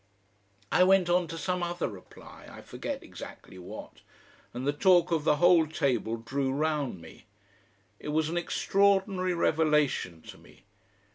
I went on to some other reply, I forget exactly what, and the talk of the whole table drew round me. It was an extraordinary revelation to me.